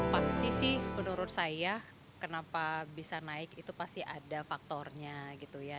pasti sih menurut saya kenapa bisa naik itu pasti ada faktornya gitu ya